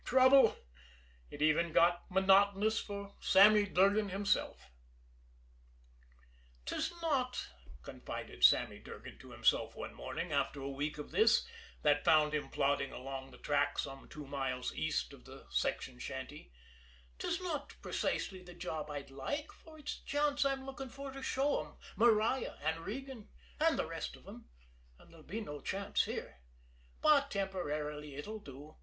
Trouble? It even got monotonous for Sammy Durgan himself. "'Tis not," confided Sammy Durgan to himself one morning, after a week of this, that found him plodding along the track some two miles east of the section shanty, "'tis not precisely the job I'd like, for it's a chance I'm looking for to show 'em, Maria, and Regan, and the rest of 'em, and there'll be no chance here but temporarily it'll do.